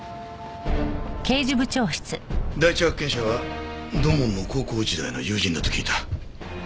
第一発見者は土門の高校時代の友人だと聞いた。